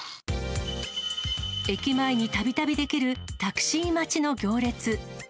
駅前にたびたび出来るタクシー待ちの行列。